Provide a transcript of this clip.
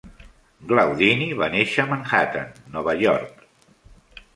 Glaudini va néixer a Manhattan, Nova York.